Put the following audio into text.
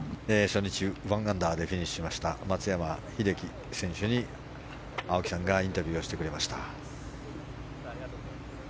初日、１アンダーでフィニッシュしました松山英樹選手に青木さんがインタビューをしてくれました。